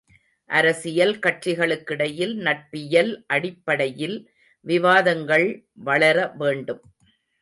அரசியல் கட்சிகளுக்கிடையில் நட்பியல் அடிப்படையில் விவாதங்கள் வளர வேண்டும்.